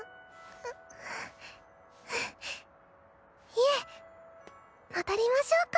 いえ戻りましょうか。